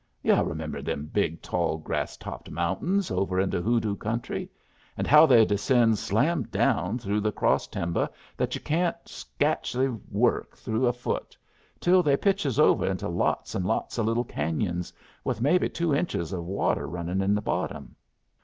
Yu' remember them big tall grass topped mountains over in the Hoodoo country, and how they descends slam down through the cross timber that yu' can't scatcely work through afoot, till they pitches over into lots an' lots o' little canyons, with maybe two inches of water runnin' in the bottom?